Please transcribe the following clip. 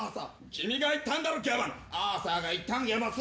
「君が言ったんだろギャバン」「アーサーが言ったんギャバス」